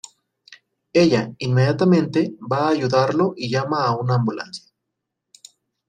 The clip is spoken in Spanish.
Ella, inmediatamente va ayudarlo y llama a una ambulancia.